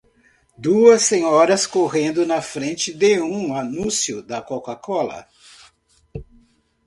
Duas senhoras correndo na frente de um anúncio da CocaCola.